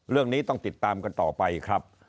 เรื่องนี้ต้องติดตามกันต่อไปครับ